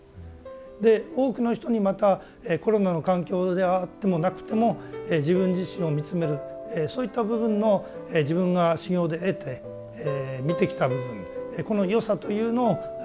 で多くの人にまたコロナの環境であってもなくても自分自身を見つめるそういった部分の自分が修行で得て見てきた部分この良さというのを広めたい。